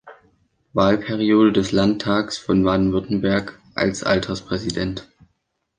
Wahlperiode des Landtags von Baden-Württemberg als Alterspräsident.